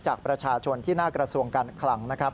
จากประชาชนที่หน้ากระทรวงการคลังนะครับ